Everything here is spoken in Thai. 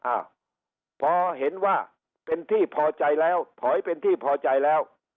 อ้าวพอเห็นว่าเป็นที่พอใจแล้วถอยเป็นที่พอใจแล้ว